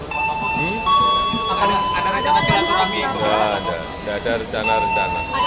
tidak ada tidak ada rencana rencana